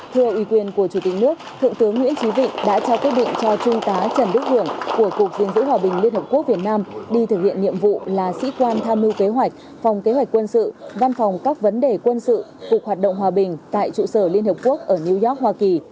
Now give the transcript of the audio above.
thưa ủy quyền của chủ tịch nước thượng tướng nguyễn trí vịnh đã trao quyết định cho trung tá trần đức hưởng của cục diện giữ hòa bình liên hợp quốc việt nam đi thực hiện nhiệm vụ là sĩ quan tham mưu kế hoạch phòng kế hoạch quân sự văn phòng các vấn đề quân sự cục hoạt động hòa bình tại trụ sở liên hợp quốc ở new york hoa kỳ